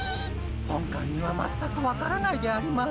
本官には全く分からないであります。